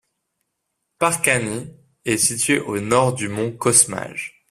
Parcani est situé au nord au mont Kosmaj.